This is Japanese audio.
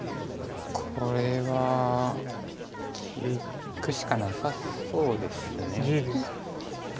これは利くしかなさそうです。